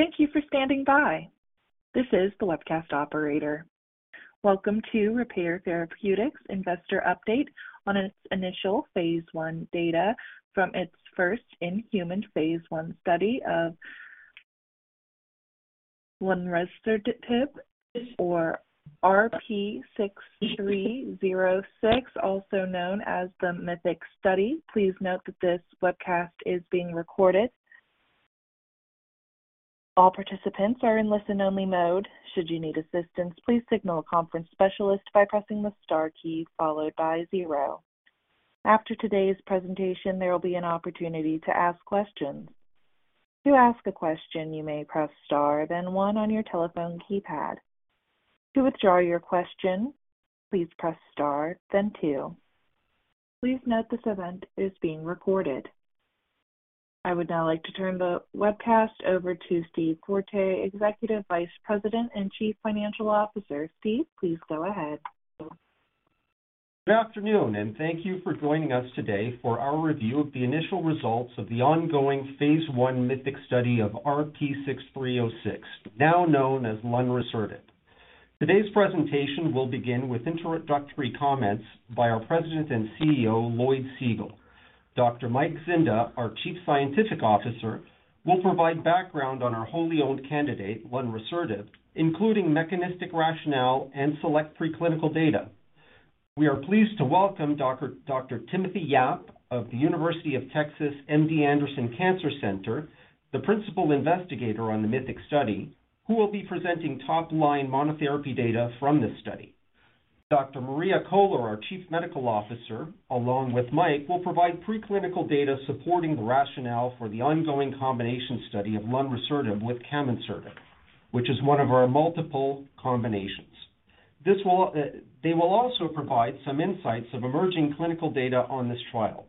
Thank you for standing by. This is the webcast operator. Welcome to Repare Therapeutics Investor Update on its initial phase I data from its first-in-human phase I study of lunresertib, or RP-6306, also known as the MYTHIC Study. Please note that this webcast is being recorded. All participants are in listen-only mode. Should you need assistance, please signal a conference specialist by pressing the star key followed by 0. After today's presentation, there will be an opportunity to ask questions. To ask a question, you may press star then one on your telephone keypad. To withdraw your question, please press star then two. Please note this event is being recorded. I would now like to turn the webcast over to Steve Forte, Executive Vice President and Chief Financial Officer. Steve, please go ahead. Good afternoon. Thank you for joining us today for our review of the initial results of the ongoing phase I MYTHIC study of RP-6306, now known as lunresertib. Today's presentation will begin with introductory comments by our President and CEO, Lloyd Segal. Dr. Mike Zinda, our Chief Scientific Officer, will provide background on our wholly owned candidate, lunresertib, including mechanistic rationale and select preclinical data. We are pleased to welcome Dr. Timothy Yap of the University of Texas MD Anderson Cancer Center, the principal investigator on the MYTHIC study, who will be presenting top-line monotherapy data from this study. Dr. Maria Koehler, our Chief Medical Officer, along with Mike, will provide preclinical data supporting the rationale for the ongoing combination study of lunresertib with camonsertib, which is one of our multiple combinations. This will, they will also provide some insights of emerging clinical data on this trial.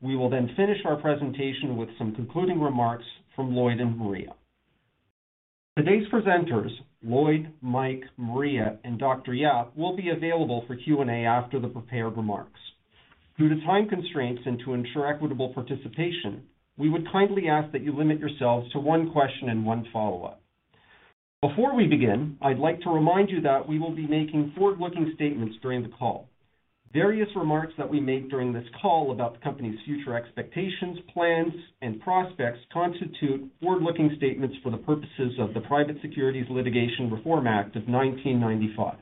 We will then finish our presentation with some concluding remarks from Lloyd and Maria. Today's presenters, Lloyd, Mike, Maria, and Dr. Yap, will be available for Q&A after the prepared remarks. Due to time constraints and to ensure equitable participation, we would kindly ask that you limit yourselves to one question and 1 follow-up. Before we begin, I'd like to remind you that we will be making forward-looking statements during the call. Various remarks that we make during this call about the company's future expectations, plans, and prospects constitute forward-looking statements for the purposes of the Private Securities Litigation Reform Act of 1995.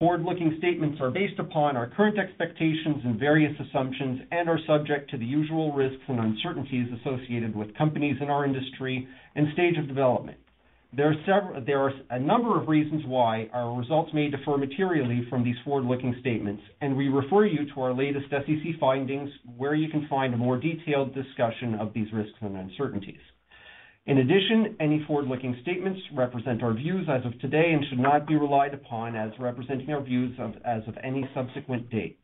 Forward-looking statements are based upon our current expectations and various assumptions and are subject to the usual risks and uncertainties associated with companies in our industry and stage of development. There are a number of reasons why our results may differ materially from these forward-looking statements. We refer you to our latest SEC findings, where you can find a more detailed discussion of these risks and uncertainties. In addition, any forward-looking statements represent our views as of today and should not be relied upon as representing our views as of any subsequent date.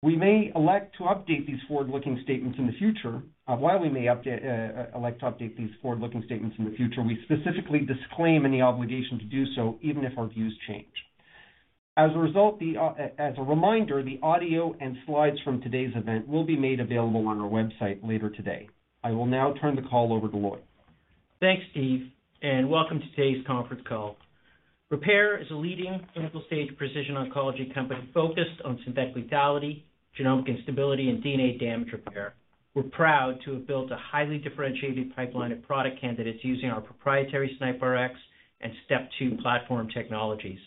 We may elect to update these forward-looking statements in the future. While we may update, elect to update these forward-looking statements in the future, we specifically disclaim any obligation to do so, even if our views change. As a reminder, the audio and slides from today's event will be made available on our website later today. I will now turn the call over to Lloyd. Thanks, Steve. Welcome to today's conference call. Repare is a leading clinical-stage precision oncology company focused on synthetic lethality, genomic instability, and DNA damage repair. We're proud to have built a highly differentiated pipeline of product candidates using our proprietary SNIPRx and STEP2 platform technologies.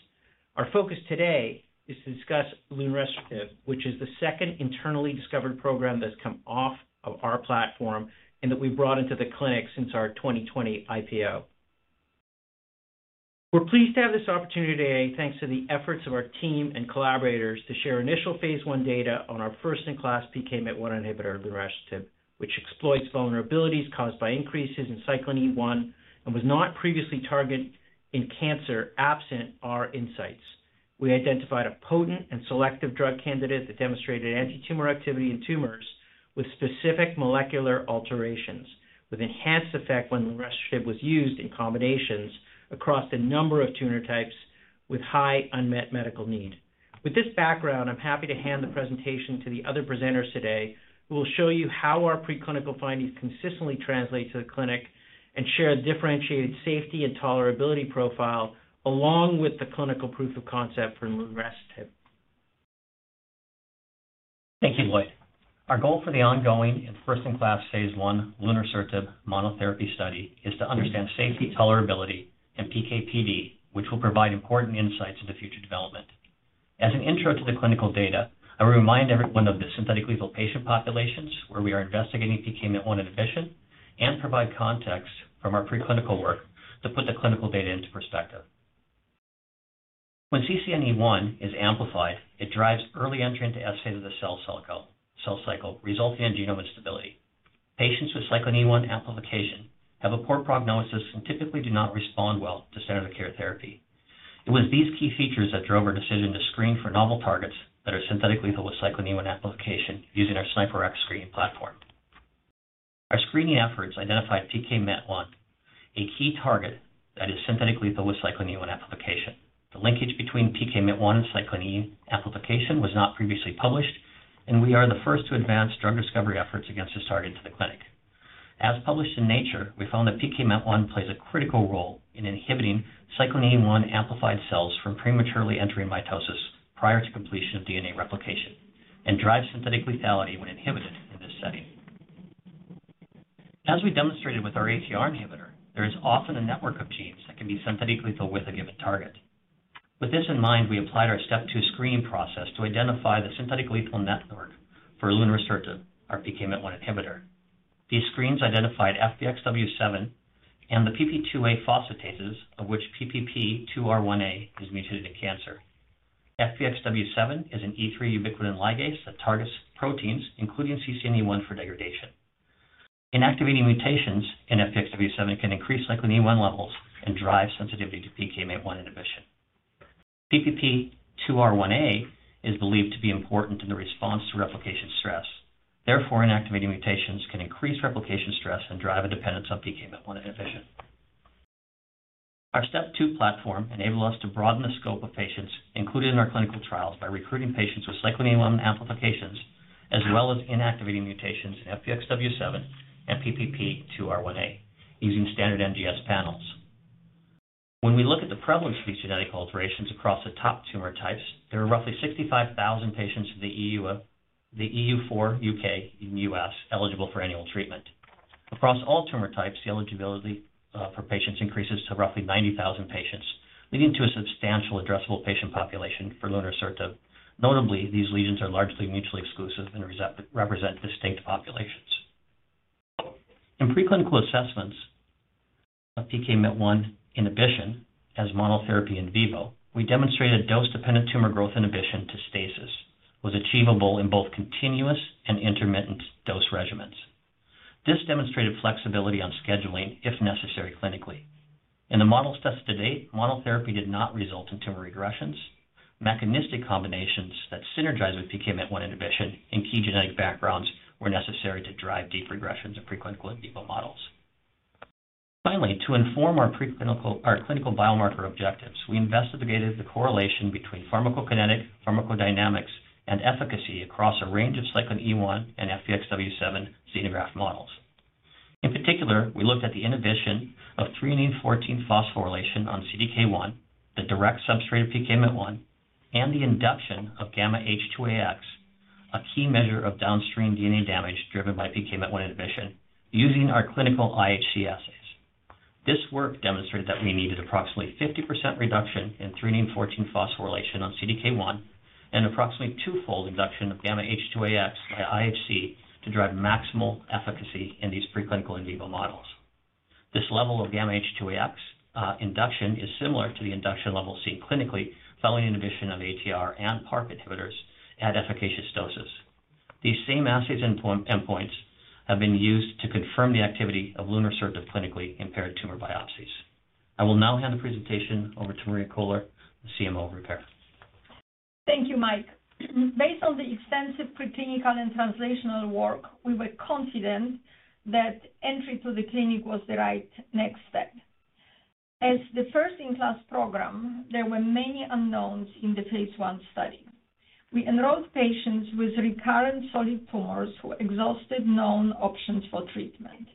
Our focus today is to discuss lunresertib, which is the second internally discovered program that's come off of our platform and that we've brought into the clinic since our 2020 IPO. We're pleased to have this opportunity today, thanks to the efforts of our team and collaborators, to share initial Phase 1 data on our first-in-class PKMYT1 inhibitor, lunresertib, which exploits vulnerabilities caused by increases in Cyclin E1 and was not previously targeted in cancer, absent our insights. We identified a potent and selective drug candidate that demonstrated antitumor activity in tumors with specific molecular alterations, with enhanced effect when lunresertib was used in combinations across a number of tumor types with high unmet medical need. With this background, I'm happy to hand the presentation to the other presenters today, who will show you how our preclinical findings consistently translate to the clinic and share a differentiated safety and tolerability profile, along with the clinical proof of concept for lunresertib. Thank you, Lloyd. Our goal for the ongoing and first-in-class phase 1 lunresertib monotherapy study is to understand safety, tolerability, and PK/PD, which will provide important insights into future development. As an intro to the clinical data, I will remind everyone of the synthetic lethal patient populations where we are investigating PKMYT1 inhibition and provide context from our preclinical work to put the clinical data into perspective. When CCNE1 is amplified, it drives early entry into S phase of the cell cycle, resulting in genomic instability. Patients with Cyclin E1 amplification have a poor prognosis and typically do not respond well to standard of care therapy. It was these key features that drove our decision to screen for novel targets that are synthetically lethal with Cyclin E1 amplification using our SNIPRx screening platform. Our screening efforts identified PKMYT1, a key target that is synthetically lethal with Cyclin E1 amplification. The linkage between PKMYT1 and Cyclin E1 amplification was not previously published. We are the first to advance drug discovery efforts against this target to the clinic. As published in Nature, we found that PKMYT1 plays a critical role in inhibiting Cyclin E1 amplified cells from prematurely entering mitosis prior to completion of DNA replication and drives synthetic lethality when inhibited in this setting. As we demonstrated with our ATR inhibitor, there is often a network of genes that can be synthetic lethal with a given target. With this in mind, we applied our STEP2 screening process to identify the synthetic lethal network for lunresertib, our PKMYT1 inhibitor. These screens identified FBXW7 and the PP2A phosphatases, of which PPP2R1A is mutated in cancer. FBXW7 is an E3 ubiquitin ligase that targets proteins, including CCNE1, for degradation. Inactivating mutations in FBXW7 can increase Cyclin E1 levels and drive sensitivity to PKMYT1 inhibition. PPP2R1A is believed to be important in the response to replication stress. Therefore, inactivating mutations can increase replication stress and drive a dependence on PKMYT1 inhibition. Our STEP2 platform enabled us to broaden the scope of patients included in our clinical trials by recruiting patients with Cyclin E1 amplifications, as well as inactivating mutations in FBXW7 and PPP2R1A, using standard NGS panels. When we look at the prevalence of these genetic alterations across the top tumor types, there are roughly 65,000 patients in the EU4, UK, and US eligible for annual treatment. Across all tumor types, the eligibility for patients increases to roughly 90,000 patients, leading to a substantial addressable patient population for lunresertib. Notably, these lesions are largely mutually exclusive and represent distinct populations. In preclinical assessments of PKMYT1 inhibition as monotherapy in vivo, we demonstrated dose-dependent tumor growth inhibition to stasis, was achievable in both continuous and intermittent dose regimens. This demonstrated flexibility on scheduling if necessary clinically. In the model studies to date, monotherapy did not result in tumor regressions. Mechanistic combinations that synergize with PKMYT1 inhibition in key genetic backgrounds were necessary to drive deep regressions in preclinical in vivo models. Finally, to inform our clinical biomarker objectives, we investigated the correlation between pharmacokinetic, pharmacodynamics, and efficacy across a range of Cyclin E1 and FBXW7 xenograft models. In particular, we looked at the inhibition of threonine 14 phosphorylation on CDK1, the direct substrate of PKMYT1, and the induction of γH2AX, a key measure of downstream DNA damage driven by PKMYT1 inhibition using our clinical IHC assays. This work demonstrated that we needed approximately 50% reduction in threonine 14 phosphorylation on CDK1 and approximately 2-fold induction of γH2AX by IHC to drive maximal efficacy in these preclinical in vivo models. This level of γH2AX induction is similar to the induction level seen clinically following inhibition of ATR and PARP inhibitors at efficacious doses. These same assay endpoints have been used to confirm the activity of lunresertib clinically in paired tumor biopsies. I will now hand the presentation over to Maria Koehler, the CMO of Repare. Thank you, Mike. Based on the extensive preclinical and translational work, we were confident that entry to the clinic was the right next step. As the first-in-class program, there were many unknowns in the phase 1 study. We enrolled patients with recurrent solid tumors who exhausted known options for treatment.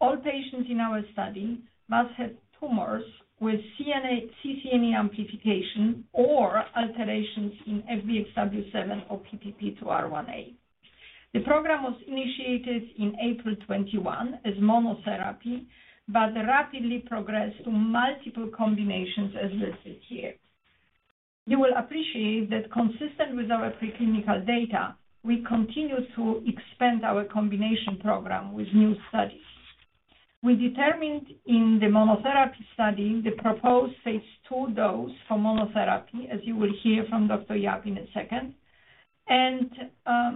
All patients in our study must have tumors with CCNE1 amplification or alterations in FBXW7 or PPP2R1A. The program was initiated in April 2021 as monotherapy, rapidly progressed to multiple combinations, as listed here. You will appreciate that consistent with our preclinical data, we continue to expand our combination program with new studies. We determined in the monotherapy study the proposed phase 2 dose for monotherapy, as you will hear from Dr. Yap in a second, are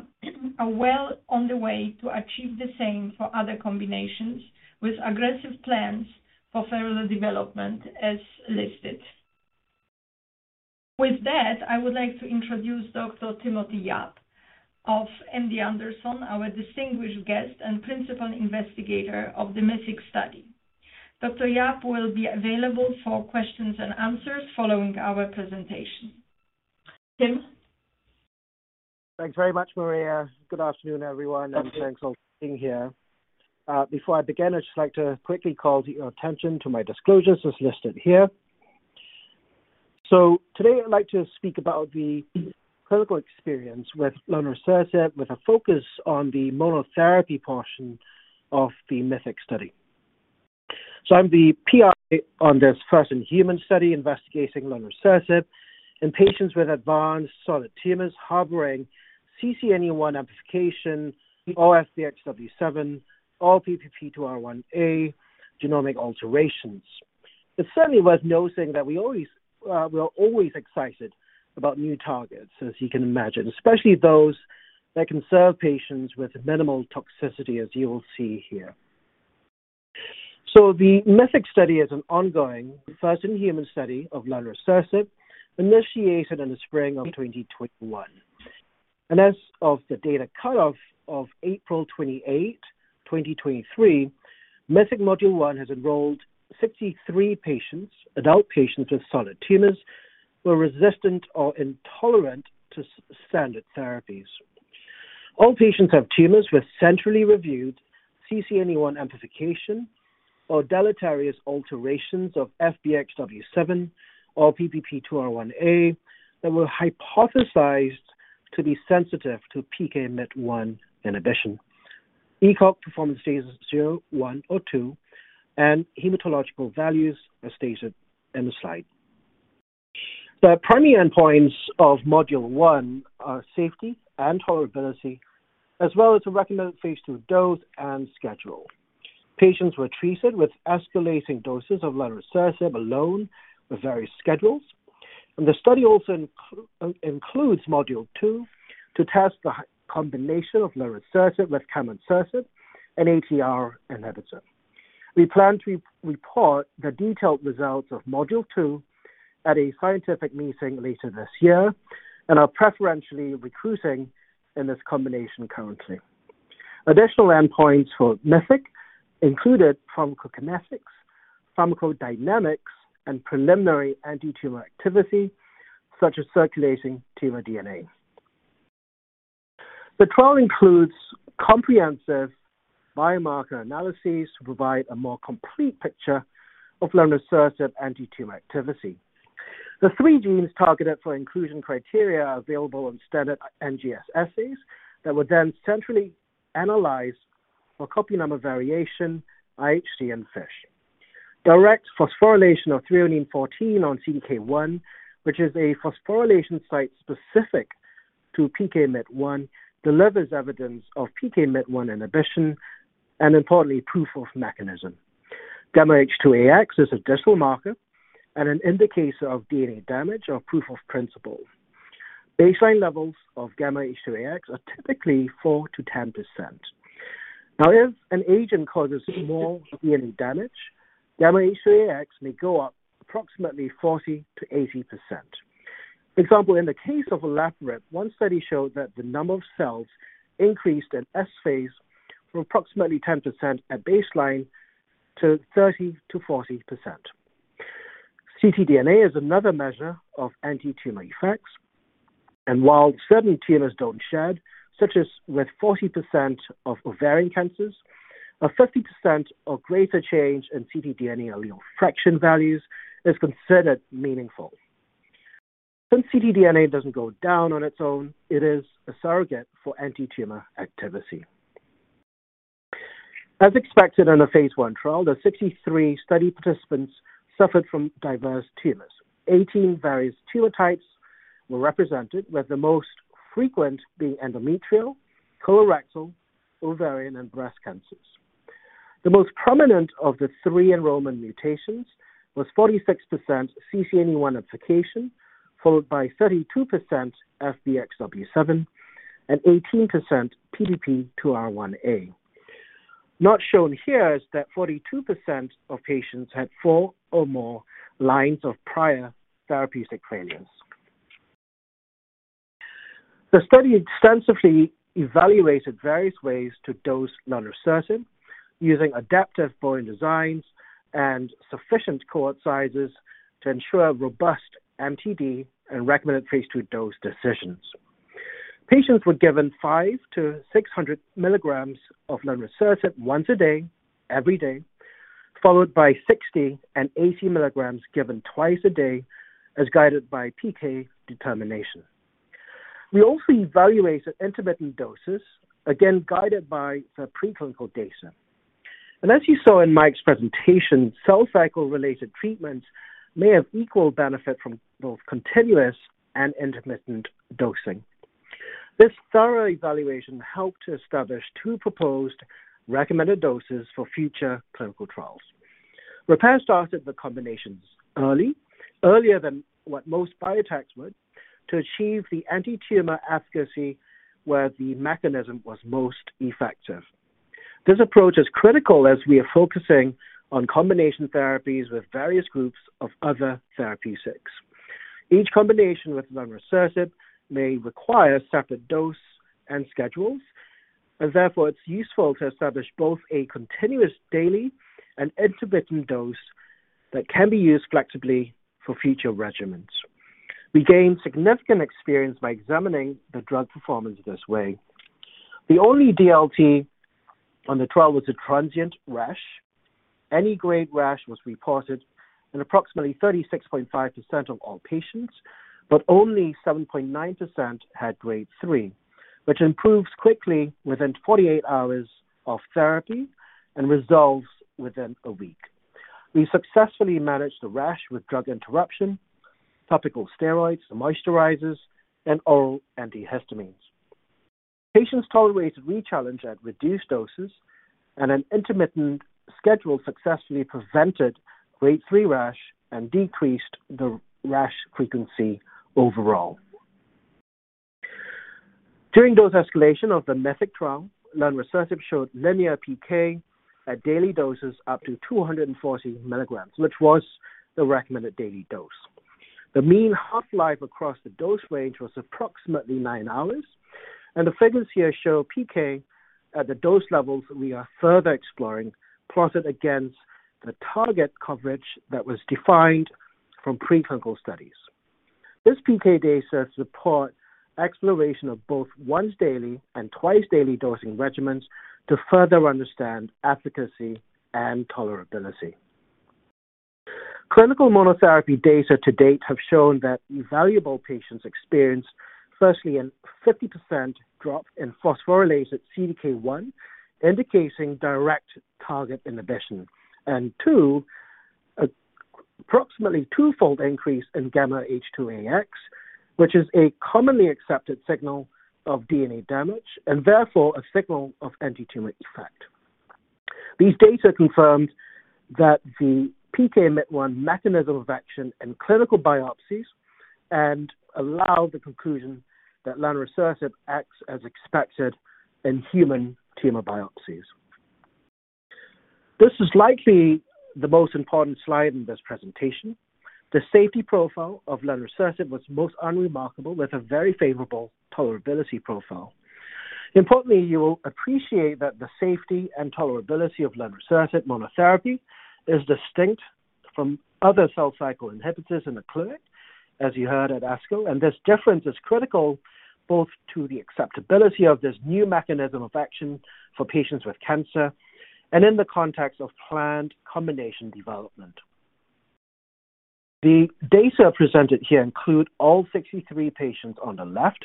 well on the way to achieve the same for other combinations, with aggressive plans for further development, as listed. With that, I would like to introduce Dr. Timothy Yap of MD Anderson, our distinguished guest and principal investigator of the MYTHIC study. Dr. Yap will be available for questions and answers following our presentation. Tim? Thanks very much, Maria. Good afternoon, everyone, and thanks for being here. Before I begin, I'd just like to quickly call your attention to my disclosures as listed here. Today I'd like to speak about the clinical experience with lunresertib, with a focus on the monotherapy portion of the MYTHIC study. I'm the PI on this first-in-human study investigating lunresertib in patients with advanced solid tumors harboring CCNE1 amplification, or FBXW7, or PPP2R1A genomic alterations. It certainly worth noting that we are always excited about new targets, as you can imagine, especially those that can serve patients with minimal toxicity, as you will see here. The MYTHIC study is an ongoing first-in-human study of lunresertib, initiated in the spring of 2021. As of the data cutoff of April 28... 2023, MYTHIC Module I has enrolled 63 patients, adult patients with solid tumors who are resistant or intolerant to standard therapies. All patients have tumors with centrally reviewed CCNE1 amplification or deleterious alterations of FBXW7 or PPP2R1A that were hypothesized to be sensitive to PKMYT1 inhibition. ECOG performance status zero, one, or two, and hematological values as stated in the slide. The primary endpoints of Module I are safety and tolerability, as well as a recommended phase II dose and schedule. Patients were treated with escalating doses of lunresertib alone with various schedules, and the study also includes Module II to test the combination of lunresertib with camonsertib, an ATR inhibitor. We plan to report the detailed results of Module II at a scientific meeting later this year and are preferentially recruiting in this combination currently. Additional endpoints for MYTHIC included pharmacokinetics, pharmacodynamics, and preliminary anti-tumor activity, such as circulating tumor DNA. The trial includes comprehensive biomarker analyses to provide a more complete picture of lunresertib anti-tumor activity. The three genes targeted for inclusion criteria are available on standard NGS assays that were then centrally analyzed for copy number variation, IHC and FISH. Direct phosphorylation of threonine 14 on CDK1, which is a phosphorylation site specific to PKMYT1, delivers evidence of PKMYT1 inhibition and importantly, proof of mechanism. γH2AX is a digital marker and an indicator of DNA damage or proof of principle. Baseline levels of γH2AX are typically 4% to 10%. If an agent causes more DNA damage, γH2AX may go up approximately 40% to 80%. For example, in the case of olaparib, one study showed that the number of cells increased in S-phase from approximately 10% at baseline to 30%-40%. ctDNA is another measure of anti-tumor effects, and while certain tumors don't shed, such as with 40% of ovarian cancers, a 50% or greater change in ctDNA allele fraction values is considered meaningful. Since ctDNA doesn't go down on its own, it is a surrogate for anti-tumor activity. As expected in a phase I trial, the 63 study participants suffered from diverse tumors. 18 various tumor types were represented, with the most frequent being endometrial, colorectal, ovarian, and breast cancers. The most prominent of the three enrollment mutations was 46% CCNE1 amplification, followed by 32% FBXW7 and 18% PPP2R1A. Not shown here is that 42% of patients had four or more lines of prior therapeutic failures. The study extensively evaluated various ways to dose lunresertib using adaptive dosing designs and sufficient cohort sizes to ensure robust MTD and recommended phase II dose decisions. Patients were given 500-600 milligrams of lunresertib once a day, every day, followed by 60 and 80 milligrams given twice a day, as guided by PK determination. We also evaluated intermittent doses, again, guided by the preclinical data. As you saw in Mike's presentation, cell cycle-related treatments may have equal benefit from both continuous and intermittent dosing. This thorough evaluation helped to establish two proposed recommended doses for future clinical trials. Repare started the combinations early, earlier than what most biotechs would, to achieve the anti-tumor efficacy where the mechanism was most effective. This approach is critical as we are focusing on combination therapies with various groups of other therapeutic. Each combination with lunresertib may require separate dose and schedules, and therefore it's useful to establish both a continuous daily and intermittent dose that can be used flexibly for future regimens. We gained significant experience by examining the drug performance this way. The only DLT on the trial was a transient rash. Any grade rash was reported in approximately 36.5% of all patients, but only 7.9% had Grade III, which improves quickly within 48 hours of therapy and resolves within a week. We successfully managed the rash with drug interruption, topical steroids, moisturizers, and oral antihistamines. Patients tolerated rechallenge at reduced doses, and an intermittent schedule successfully prevented Grade III rash and decreased the rash frequency overall. During dose escalation of the MYTHIC trial, lunresertib showed linear PK at daily doses up to 240 milligrams, which was the recommended daily dose. The mean half-life across the dose range was approximately 9 hours. The figures here show PK at the dose levels we are further exploring, plotted against the target coverage that was defined from preclinical studies. This PK data supports exploration of both once daily and twice daily dosing regimens to further understand efficacy and tolerability. Clinical monotherapy data to date have shown that evaluable patients experienced, firstly, a 50% drop in phosphorylated CDK1, indicating direct target inhibition, two, approximately twofold increase in γH2AX, which is a commonly accepted signal of DNA damage, therefore a signal of antitumor effect. These data confirmed that the PKMYT1 mechanism of action in clinical biopsies and allowed the conclusion that lunresertib acts as expected in human tumor biopsies. This is likely the most important slide in this presentation. The safety profile of lunresertib was most unremarkable, with a very favorable tolerability profile. Importantly, you will appreciate that the safety and tolerability of lunresertib monotherapy is distinct from other cell cycle inhibitors in the clinic, as you heard at ASCO, and this difference is critical both to the acceptability of this new mechanism of action for patients with cancer and in the context of planned combination development. The data presented here include all 63 patients on the left,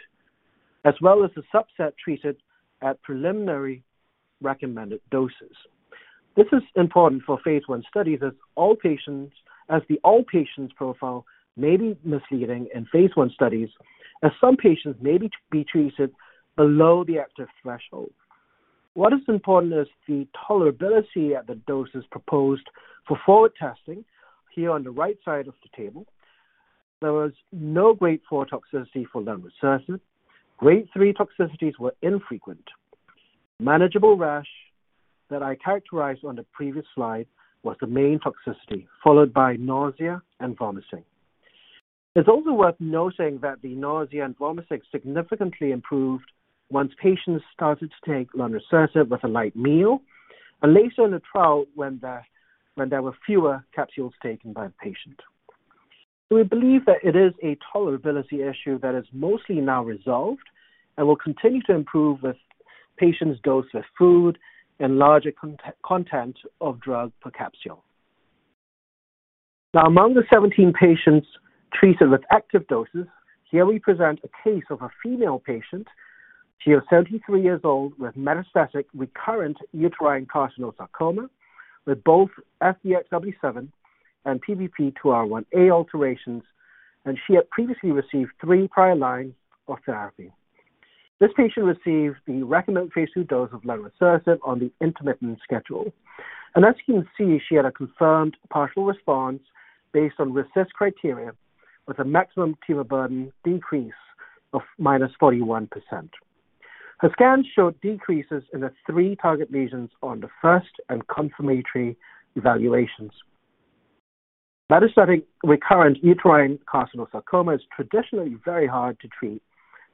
as well as the subset treated at preliminary recommended doses. This is important for phase I studies, as the all patients profile may be misleading in phase I studies, as some patients may be treated below the active threshold. What is important is the tolerability at the doses proposed for forward testing. Here on the right side of the table, there was no Grade IV toxicity for lunresertib. Grade III toxicities were infrequent. Manageable rash that I characterized on the previous slide was the main toxicity, followed by nausea and vomiting. It's also worth noting that the nausea and vomiting significantly improved once patients started to take lunresertib with a light meal and later in the trial when there were fewer capsules taken by the patient. We believe that it is a tolerability issue that is mostly now resolved and will continue to improve with patients dose, with food, and larger content of drug per capsule. Among the 17 patients treated with active doses, here we present a case of a female patient. She is 73 years old with metastatic recurrent uterine carcinosarcoma, with both FBXW7 and PPP2R1A alterations, and she had previously received three prior lines of therapy. This patient received the recommended phase II dose of lunresertib on the intermittent schedule, and as you can see, she had a confirmed partial response based on RECIST criteria with a maximum tumor burden decrease of -41%. Her scans showed decreases in the 3 target lesions on the first and confirmatory evaluations. Metastatic recurrent uterine carcinosarcoma is traditionally very hard to treat,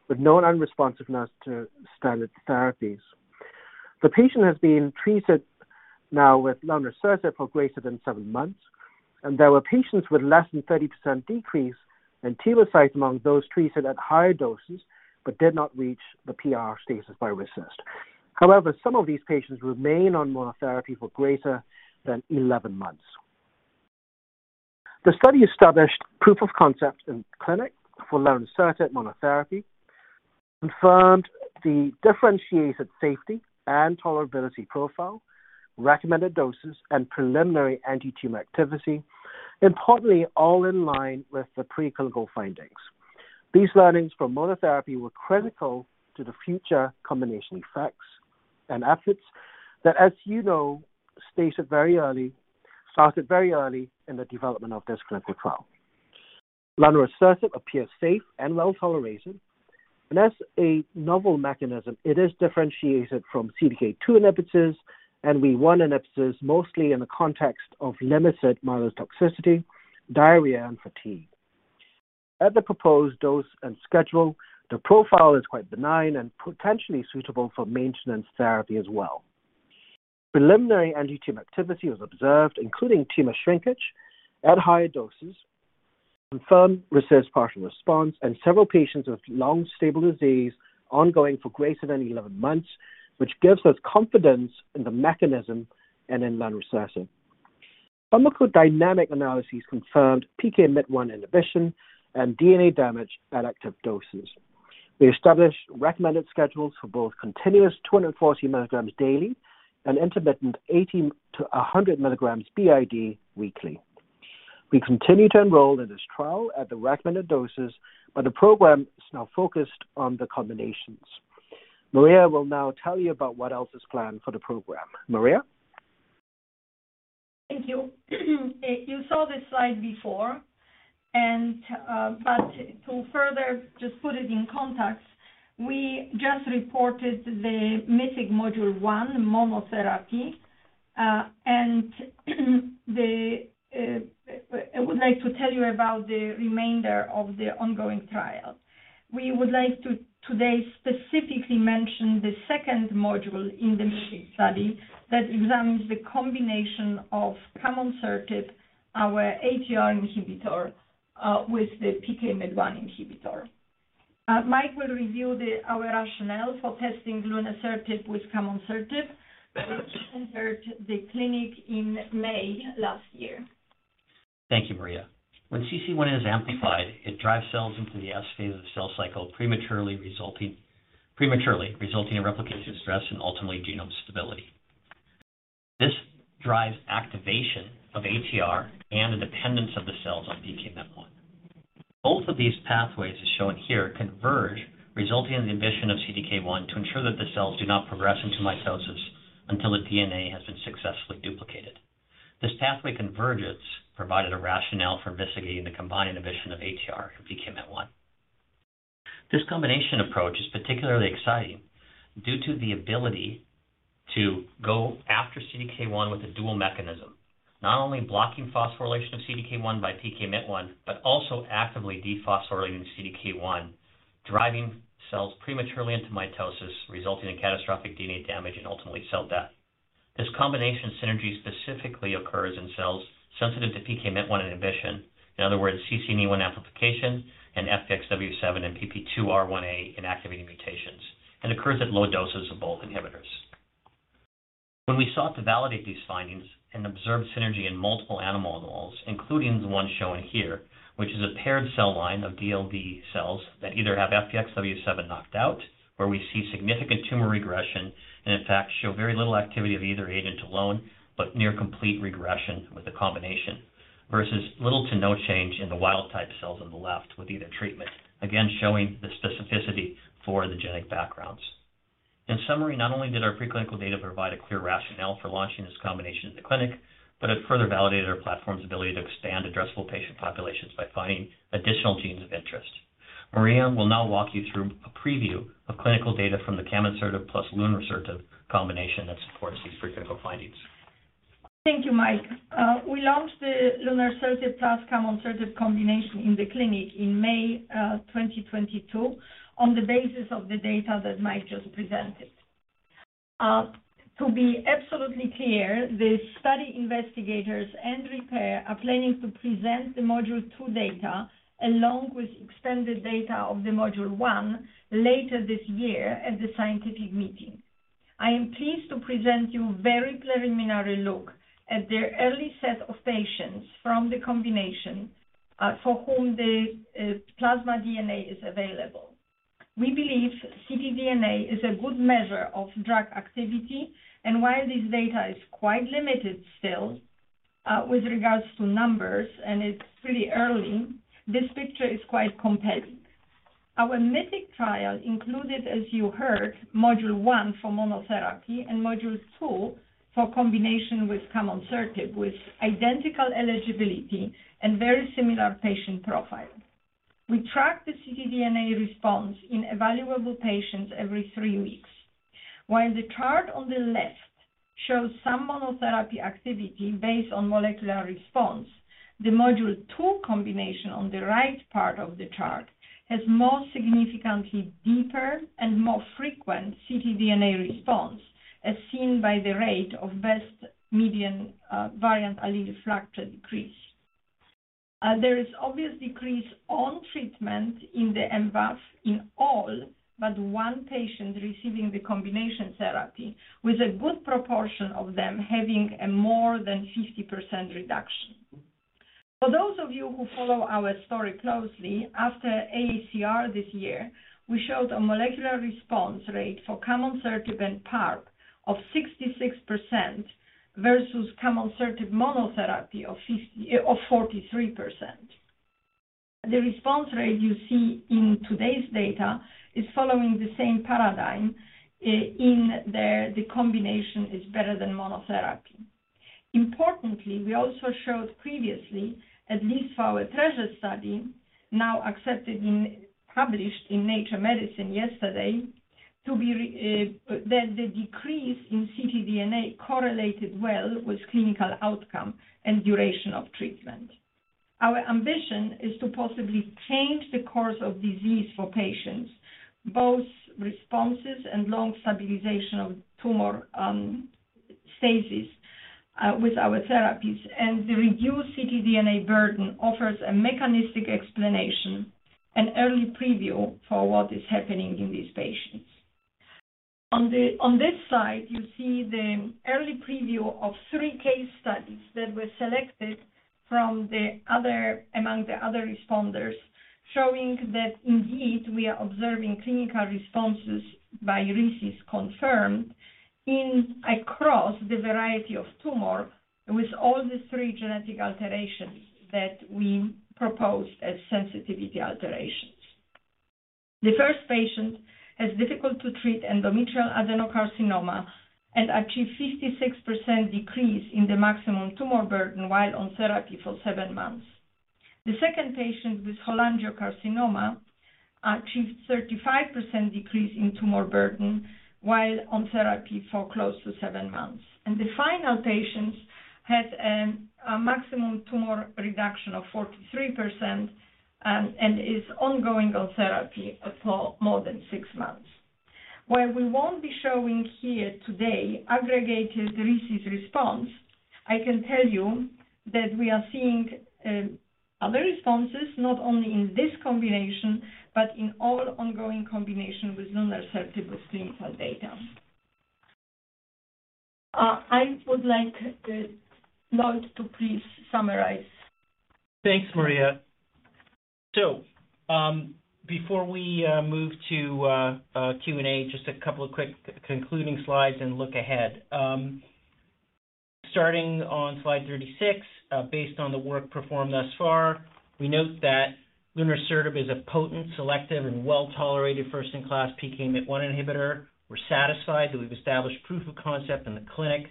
with known unresponsiveness to standard therapies. The patient has been treated now with lunresertib for greater than seven months, there were patients with less than 30% decrease in tumor size among those treated at higher doses but did not reach the PR status by RECIST. However, some of these patients remain on monotherapy for greater than 11 months. The study established proof of concept in clinic for lunresertib monotherapy, confirmed the differentiated safety and tolerability profile, recommended doses, and preliminary anti-tumor activity, importantly, all in line with the preclinical findings. These learnings from monotherapy were critical to the future combination effects and efforts that, as you know, started very early in the development of this clinical trial. lunresertib appears safe and well tolerated, and as a novel mechanism, it is differentiated from CDK2 inhibitors and WEE1 inhibitors, mostly in the context of limited mild toxicity, diarrhea, and fatigue. At the proposed dose and schedule, the profile is quite benign and potentially suitable for maintenance therapy as well. Preliminary anti-tumor activity was observed, including tumor shrinkage at higher doses, confirmed RECIST partial response, and several patients with long, stable disease ongoing for greater than 11 months, which gives us confidence in the mechanism and in lunresertib. Pharmacodynamic analyses confirmed PKMYT1 inhibition and DNA damage at active doses. We established recommended schedules for both continuous 240 milligrams daily and intermittent 80-100 milligrams BID weekly. We continue to enroll in this trial at the recommended doses, but the program is now focused on the combinations. Maria will now tell you about what else is planned for the program. Maria? Thank you. You saw this slide before, and, but to further just put it in context, we just reported the MYTHIC Module I monotherapy. I would like to tell you about the remainder of the ongoing trial. We would like to today specifically mention the second module in the MYTHIC study that examines the combination of camonsertib, our ATR inhibitor, with the PKMYT1 inhibitor. Mike will review our rationale for testing lunresertib with camonsertib, which entered the clinic in May last year. Thank you, Maria. When CCNE1 is amplified, it drives cells into the S phase of the cell cycle prematurely, resulting in replication stress and ultimately genome stability. This drives activation of ATR and the dependence of the cells on PKMYT1. Both of these pathways, as shown here, converge, resulting in the inhibition of CDK1, to ensure that the cells do not progress into mitosis until the DNA has been successfully duplicated. This pathway convergence provided a rationale for investigating the combined inhibition of ATR and PKMYT1. This combination approach is particularly exciting due to the ability to go after CDK1 with a dual mechanism, not only blocking phosphorylation of CDK1 by PKMYT1, but also actively dephosphorylating CDK1, driving cells prematurely into mitosis, resulting in catastrophic DNA damage and ultimately cell death. This combination synergy specifically occurs in cells sensitive to PKMYT1 inhibition. In other words, CCNE1 amplification and FBXW7 and PPP2R1A inactivating mutations, occurs at low doses of both inhibitors. When we sought to validate these findings and observed synergy in multiple animal models, including the one shown here, which is a paired cell line of DLD cells that either have FBXW7 knocked out, where we see significant tumor regression and in fact show very little activity of either agent alone, but near complete regression with the combination, versus little to no change in the wild type cells on the left with either treatment. Again, showing the specificity for the genetic backgrounds. In summary, not only did our preclinical data provide a clear rationale for launching this combination in the clinic, but it further validated our platform's ability to expand addressable patient populations by finding additional genes of interest. Maria will now walk you through a preview of clinical data from the camonsertib plus lunresertib combination that supports these preclinical findings. Thank you, Mike. We launched the lunresertib plus camonsertib combination in the clinic in May 2022, on the basis of the data that Mike just presented. To be absolutely clear, the study investigators and Repare are planning to present the module two data, along with extended data of the module one, later this year at the scientific meeting. I am pleased to present you a very preliminary look at the early set of patients from the combination for whom the plasma DNA is available. We believe ctDNA is a good measure of drug activity, and while this data is quite limited still with regards to numbers and it's pretty early, this picture is quite compelling. Our MYTHIC trial included, as you heard, module one for monotherapy and module two for combination with camonsertib, with identical eligibility and very similar patient profile. We track the ctDNA response in evaluable patients every three weeks. While the chart on the left shows some monotherapy activity based on molecular response, the module II combination on the right part of the chart has more significantly deeper and more frequent ctDNA response, as seen by the rate of best median variant allele frequency decrease. There is obvious decrease on treatment in the mVAF in all but one patient receiving the combination therapy, with a good proportion of them having a more than 50% reduction. For those of you who follow our story closely, after AACR this year, we showed a molecular response rate for camonsertib and PARP of 66%, versus camonsertib monotherapy of 43%. The response rate you see in today's data is following the same paradigm, in the combination is better than monotherapy. Importantly, we also showed previously, at least for our TRESR study, now published in Nature Medicine yesterday, to be, that the decrease in ctDNA correlated well with clinical outcome and duration of treatment. Our ambition is to possibly change the course of disease for patients, both responses and long stabilization of tumor, stasis, with our therapies, and the reduced ctDNA burden offers a mechanistic explanation, an early preview for what is happening in these patients. On this side, you see the early preview of three case studies that were selected among the other responders, showing that indeed we are observing clinical responses by RECIST confirmed across the variety of tumor, with all the three genetic alterations that we proposed as sensitivity alterations. The first patient has difficult to treat endometrial adenocarcinoma and achieved 56% decrease in the maximum tumor burden while on therapy for seven months. The second patient with cholangiocarcinoma achieved 35% decrease in tumor burden while on therapy for close to seven months. The final patient had a maximum tumor reduction of 43%, and is ongoing on therapy for more than six months. While we won't be showing here today aggregated RECIST response, I can tell you that we are seeing other responses, not only in this combination, but in all ongoing combination with lunresertib of clinical data. I would like Lloyd to please summarize. Thanks, Maria. Before we move to Q&A, just a couple of quick concluding slides and look ahead. Starting on slide 36, based on the work performed thus far, we note that lunresertib is a potent, selective, and well-tolerated first-in-class PKMYT1 inhibitor. We're satisfied that we've established proof of concept in the clinic.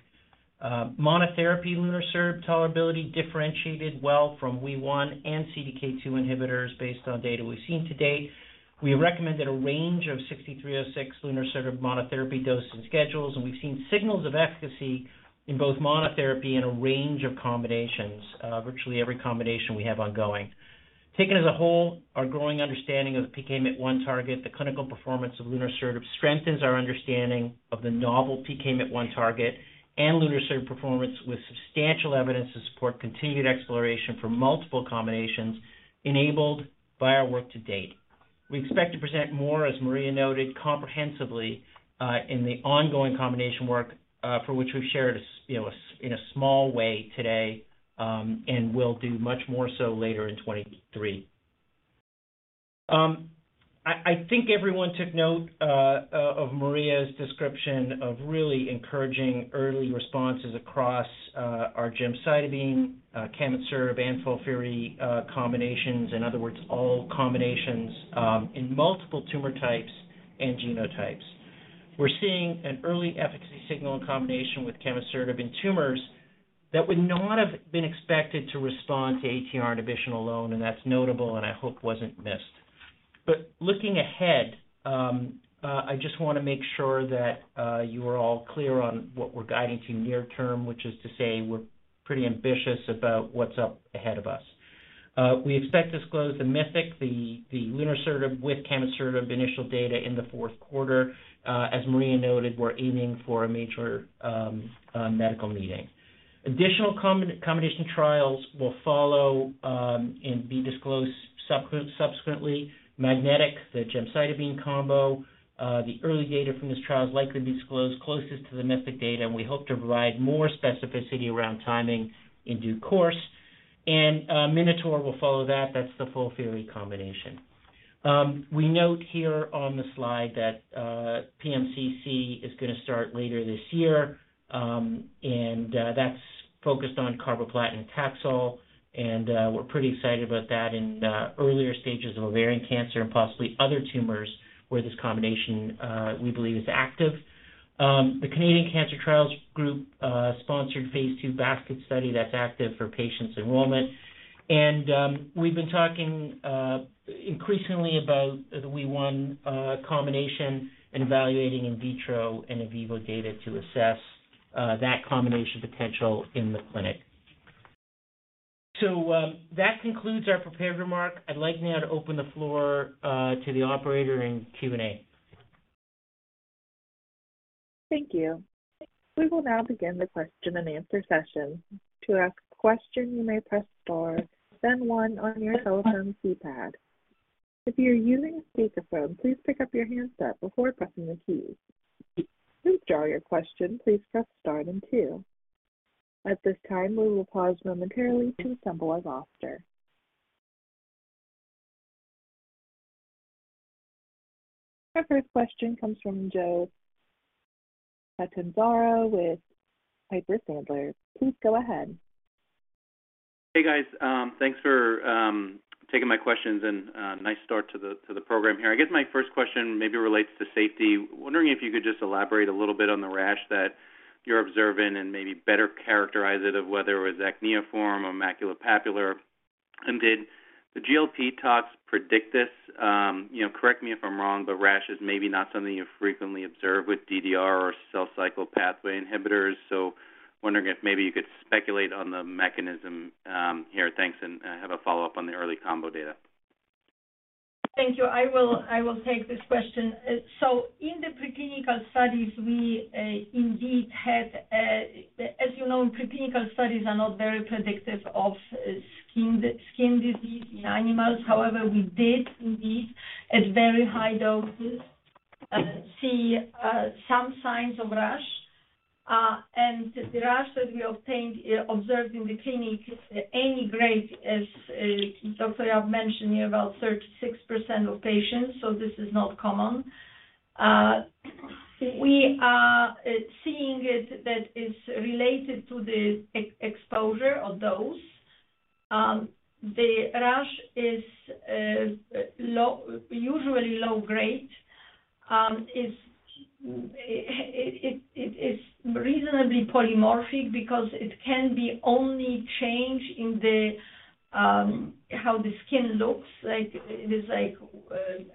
Monotherapy lunresertib tolerability differentiated well from WEE1 and CDK2 inhibitors based on data we've seen to date. We recommended a range of RP-6306 lunresertib monotherapy doses and schedules, and we've seen signals of efficacy in both monotherapy and a range of combinations, virtually every combination we have ongoing. Taken as a whole, our growing understanding of PKMYT1 target, the clinical performance of lunresertib, strengthens our understanding of the novel PKMYT1 target and lunresertib performance, with substantial evidence to support continued exploration for multiple combinations enabled by our work to date. We expect to present more, as Maria noted, comprehensively, in the ongoing combination work, for which we've shared, you know, in a small way today, and will do much more so later in 2023. I think everyone took note, of Maria's description of really encouraging early responses across, our gemcitabine, camonsertib and FOLFIRI, combinations. In other words, all combinations, in multiple tumor types and genotypes. We're seeing an early efficacy signal in combination with camonsertib in tumors that would not have been expected to respond to ATR inhibition alone. That's notable, and I hope wasn't missed. Looking ahead, I just want to make sure that you are all clear on what we're guiding to near term, which is to say we're pretty ambitious about what's up ahead of us. We expect to disclose the MYTHIC, the lunresertib with camonsertib initial data in the fourth quarter. As Maria noted, we're aiming for a major medical meeting. Additional combination trials will follow and be disclosed subsequently. MAGNETIC, the gemcitabine combo, the early data from this trial is likely to be disclosed closest to the MYTHIC data. We hope to provide more specificity around timing in due course. MINOTAUR will follow that. That's the FOLFIRI combination. We note here on the slide that PMCC is going to start later this year, and that's focused on carboplatin and Taxol, and we're pretty excited about that in earlier stages of ovarian cancer and possibly other tumors where this combination we believe is active. The Canadian Cancer Trials Group sponsored phase II basket study that's active for patients' enrollment. We've been talking increasingly about the WEE1 combination and evaluating in vitro and in vivo data to assess that combination potential in the clinic. That concludes our prepared remarks. I'd like now to open the floor to the operator and Q&A. Thank you. We will now begin the question and answer session. To ask a question, you may press star then one on your telephone keypad. If you are using a speakerphone, please pick up your handset before pressing the keys. To withdraw your question, please press star then two. At this time, we will pause momentarily to assemble our roster. Our first question comes from Joe Catanzaro with Piper Sandler. Please go ahead. Hey, guys. Thanks for taking my questions and nice start to the program here. I guess my first question maybe relates to safety. Wondering if you could just elaborate a little bit on the rash that you're observing and maybe better characterize it, of whether it was acneiform or maculopapular. Did the GLP talks predict this? You know, correct me if I'm wrong, rash is maybe not something you frequently observe with DDR or cell cycle pathway inhibitors. Wondering if maybe you could speculate on the mechanism here. Thanks, I have a follow-up on the early combo data. Thank you. I will take this question. In the preclinical studies, we indeed had. As you know, preclinical studies are not very predictive of skin disease in animals. However, we did indeed, at very high doses, see some signs of rash. The rash that we obtained, observed in the clinic, any grade, as Dr. Yap mentioned, in about 36% of patients, so this is not common. We are seeing it that it's related to the exposure or dose. The rash is low, usually low grade, it is reasonably polymorphic because it can be only change in the how the skin looks like. It is like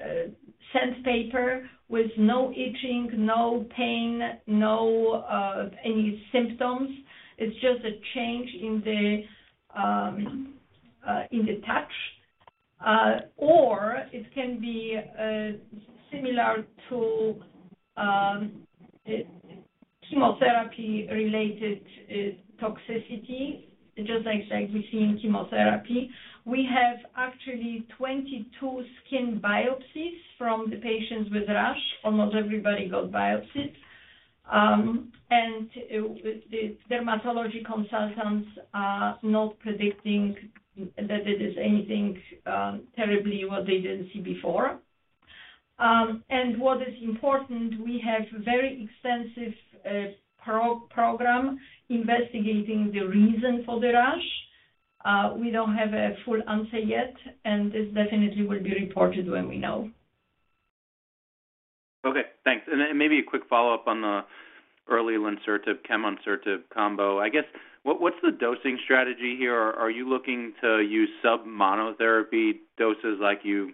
a sandpaper with no itching, no pain, no any symptoms. It's just a change in the in the touch, or it can be similar to chemotherapy-related toxicity, just like we see in chemotherapy. We have actually 22 skin biopsies from the patients with rash. Almost everybody got biopsies. The dermatology consultants are not predicting that it is anything terribly what they didn't see before. What is important, we have very extensive program investigating the reason for the rash. We don't have a full answer yet, and this definitely will be reported when we know. Okay, thanks. Then maybe a quick follow-up on the early lunresertib, camonsertib combo. I guess, what's the dosing strategy here? Are you looking to use sub-monotherapy doses like you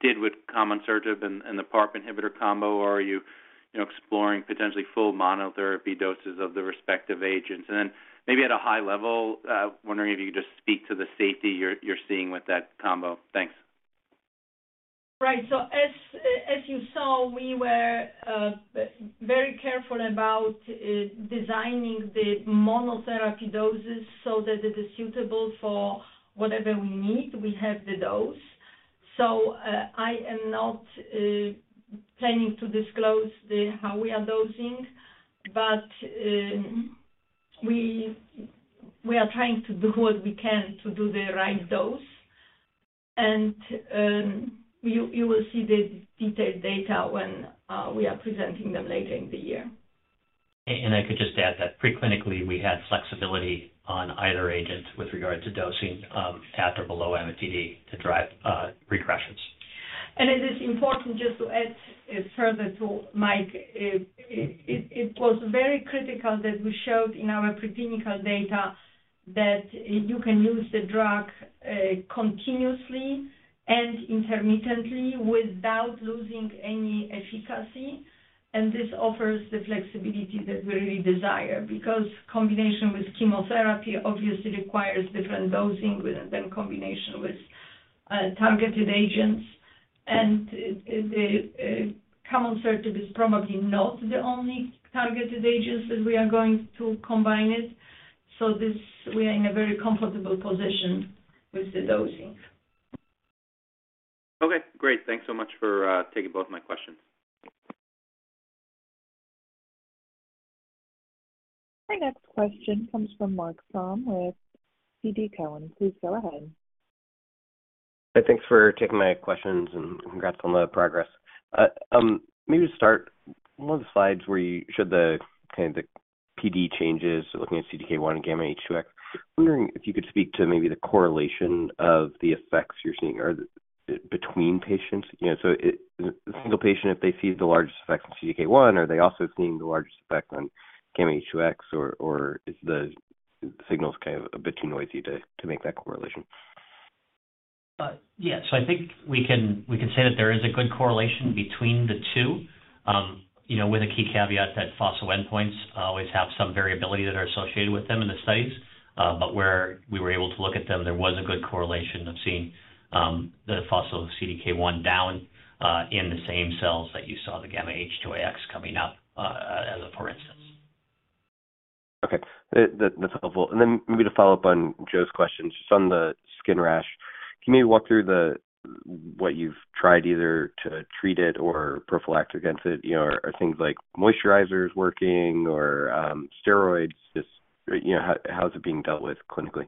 did with camonsertib and the PARP inhibitor combo, or are you know, exploring potentially full monotherapy doses of the respective agents? Then maybe at a high level, wondering if you could just speak to the safety you're seeing with that combo. Thanks. Right. As, as you saw, we were very careful about designing the monotherapy doses so that it is suitable for whatever we need, we have the dose. I am not planning to disclose the, how we are dosing, but, we are trying to do what we can to do the right dose. You will see the detailed data when, we are presenting them later in the year. I could just add that preclinically, we had flexibility on either agent with regard to dosing, at or below MTD to drive regressions. It is important, just to add further to Mike, it was very critical that we showed in our preclinical data that you can use the drug, continuously and intermittently without losing any efficacy. This offers the flexibility that we really desire, because combination with chemotherapy obviously requires different dosing than combination with targeted agents. The camonsertib is probably not the only targeted agents that we are going to combine it. This, we are in a very comfortable position with the dosing. Okay, great. Thanks so much for taking both of my questions. Our next question comes from Marc Frahm with TD Cowen. Please go ahead. Thanks for taking my questions. Congrats on the progress. Maybe to start, one of the slides where you showed the kind of the PD changes, looking at CDK1 and γH2AX, I'm wondering if you could speak to maybe the correlation of the effects you're seeing are between patients. You know, so a single patient, if they see the largest effect in CDK1, are they also seeing the largest effect on γH2AX or is the signals kind of a bit too noisy to make that correlation? Yes. I think we can say that there is a good correlation between the two. You know, with a key caveat that fossil endpoints always have some variability that are associated with them in the studies. Where we were able to look at them, there was a good correlation of seeing the fossil CDK1 down in the same cells that you saw the γH2AX coming up as a for instance. Okay, that's helpful. Maybe to follow up on Joe's question, just on the skin rash. Can you maybe walk through what you've tried either to treat it or prophylactic against it? You know, are things like moisturizers working or steroids, just, you know, how is it being dealt with clinically?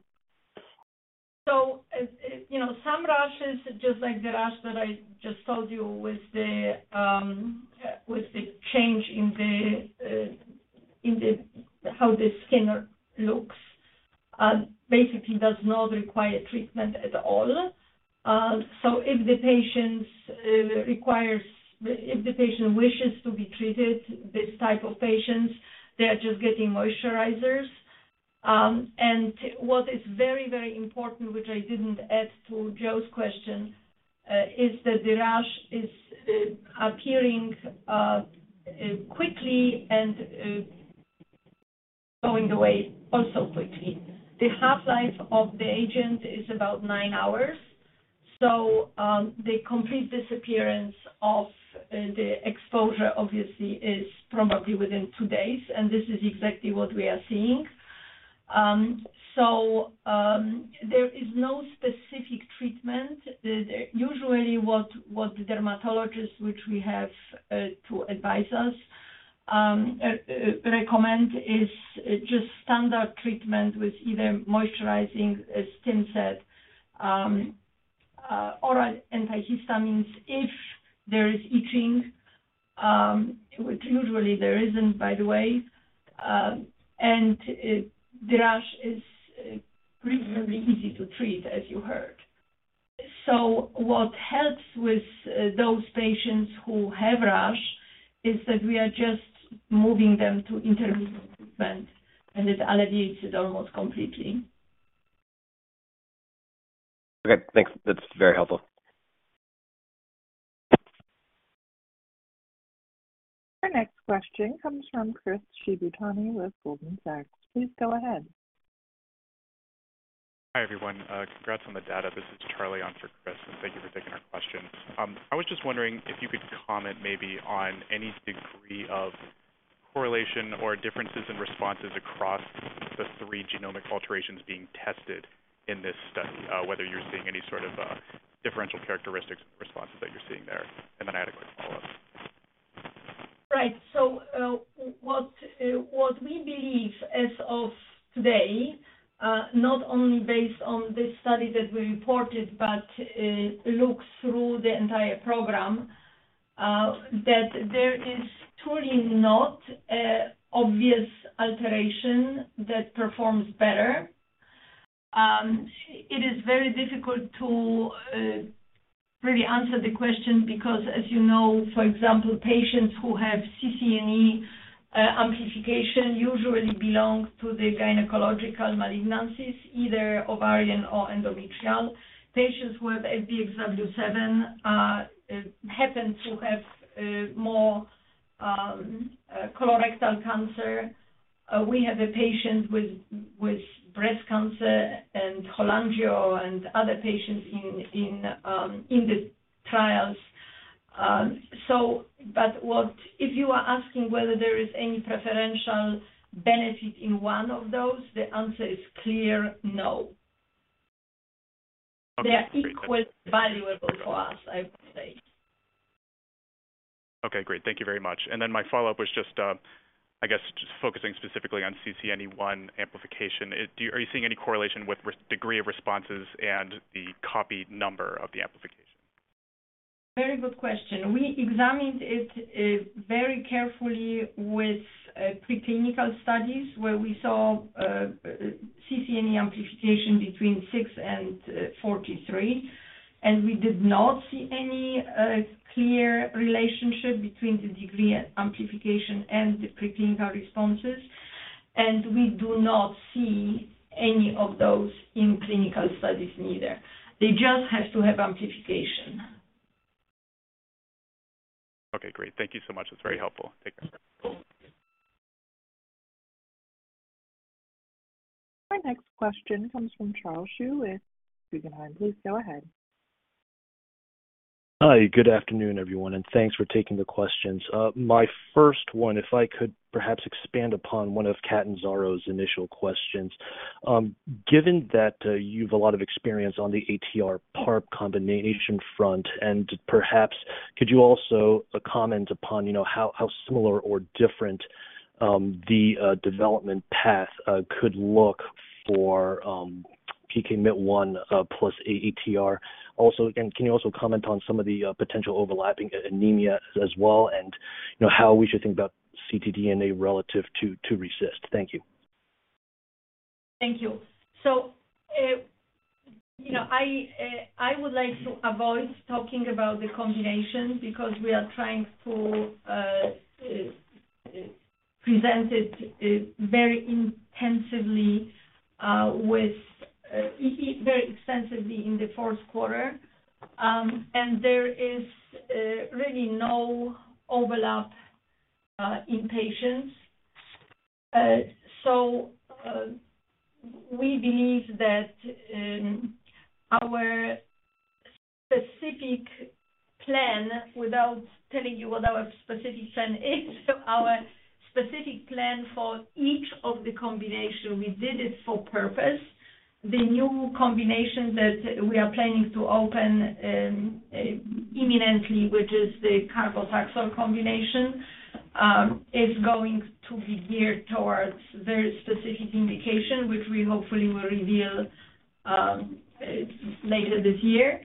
You know, some rashes, just like the rash that I just told you with the change in the how the skin looks, basically does not require treatment at all. If the patient wishes to be treated, this type of patients, they are just getting moisturizers. What is very, very important, which I didn't add to Joe's question, is that the rash is appearing quickly and going away also quickly. The half-life of the agent is about nine hours. The complete disappearance of the exposure obviously is probably within two days, and this is exactly what we are seeing. There is no specific treatment. Usually what the dermatologist, which we have to advise us, recommend, is just standard treatment with either moisturizing skin set, oral antihistamines if there is itching, which usually there isn't, by the way. The rash is reasonably easy to treat, as you heard. What helps with those patients who have rash, is that we are just moving them to intermittent treatment, and it alleviates it almost completely. Okay, thanks. That's very helpful. Our next question comes from Chris Shibutani with Goldman Sachs. Please go ahead. Hi, everyone. congrats on the data. This is Charlie on for Chris, and thank you for taking our question. I was just wondering if you could comment maybe on any degree of correlation or differences in responses across the three genomic alterations being tested in this study, whether you're seeing any sort of differential characteristics and responses that you're seeing there? I have a quick follow-up. Right. What we believe as of today, not only based on this study that we reported, but looks through the entire program, that there is truly not a obvious alteration that performs better. It is very difficult to really answer the question because, as you know, for example, patients who have CCNE1 amplification usually belong to the gynecological malignancies, either ovarian or endometrial. Patients who have FBXW7 happen to have more colorectal cancer. We have a patient with breast cancer and cholangio and other patients in the trials. But what, if you are asking whether there is any preferential benefit in one of those, the answer is clear no. Okay, great. They are equally valuable to us, I would say. Okay, great. Thank you very much. Then my follow-up was just, I guess, just focusing specifically on CCNE1 amplification. Do you, are you seeing any correlation with degree of responses and the copy number of the amplification? Very good question. We examined it, very carefully with, preclinical studies, where we saw, CCNE amplification between six and, 43. We did not see any, clear relationship between the degree of amplification and the preclinical responses. We do not see any of those in clinical studies neither. They just have to have amplification. Okay, great. Thank you so much. That's very helpful. Take care. Our next question comes from Charles Zhu with Guggenheim. Please go ahead. Hi, good afternoon, everyone, and thanks for taking the questions. My first one, if I could perhaps expand upon one of Catanzaro's initial questions. Given that you've a lot of experience on the ATR/PARP combination front, and perhaps could you also comment upon, you know, how similar or different the development path could look for PKMYT1 plus ATR? Also, again, can you also comment on some of the potential overlapping anemia as well, and, you know, how we should think about ctDNA relative to RECIST? Thank you. Thank you. You know, I would like to avoid talking about the combination because we are trying to present it very intensively with very extensively in the fourth quarter. There is really no overlap in patients. We believe that our specific plan, without telling you what our specific plan is, our specific plan for each of the combination, we did it for purpose. The new combination that we are planning to open imminently, which is the carboplatin combination, is going to be geared towards very specific indication, which we hopefully will reveal later this year.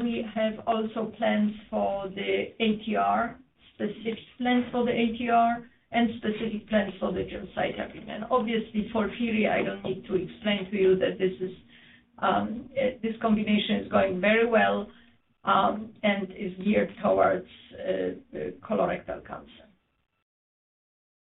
We have also plans for the ATR, specific plans for the ATR, and specific plans for the gemcitabine. Obviously, for FOLFIRI, I don't need to explain to you that this is, this combination is going very well, and is geared towards colorectal cancer.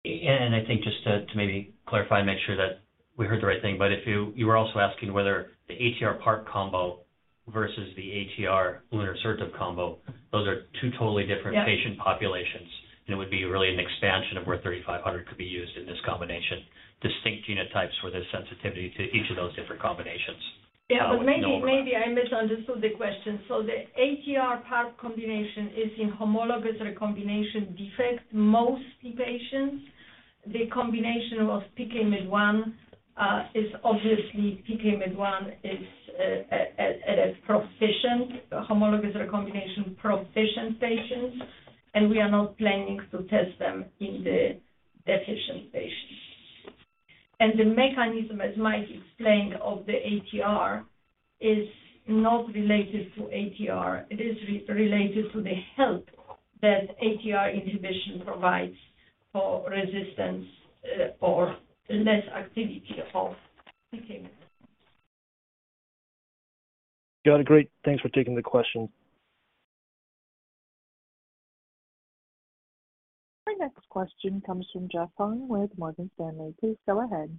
I think just to maybe clarify, make sure that we heard the right thing, but if you were also asking whether the ATR/PARP combo versus the ATR lunresertib combo, those are two totally different. Yeah. patient populations, it would be really an expansion of where RP-3500 could be used in this combination. Distinct genotypes for the sensitivity to each of those different combinations. Maybe, maybe I misunderstood the question. The ATR/PARP combination is in homologous recombination defect, most patients. The combination of PKMYT1 is obviously, PKMYT1 is a proficient homologous recombination proficient patients. We are not planning to test them in the deficient patients. The mechanism, as Mike explained, of the ATR is not related to ATR. It is related to the help that ATR inhibition provides for resistance, or less activity of PKMYT1. Got it. Great. Thanks for taking the question. Our next question comes from Jeff Hung with Morgan Stanley. Please go ahead.